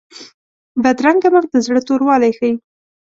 بدرنګه مخ د زړه توروالی ښيي